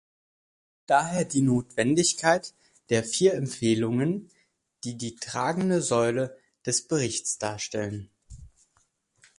Daher die Notwendigkeit der vier Empfehlungen, die die tragende Säule des Berichts darstellen.